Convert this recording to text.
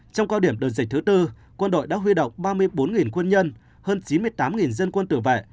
trong cao điểm đợt dịch thứ tư quân đội đã huy động ba mươi bốn quân nhân hơn chín mươi tám dân quân tự vệ